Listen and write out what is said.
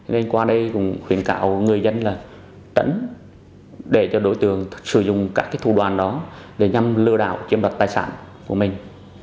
nên qua đây cũng khuyến cạo người dân là tránh để cho đối tượng sử dụng các thủ đoàn đó để nhằm lừa đảo chiếm đoạt tài sản của mình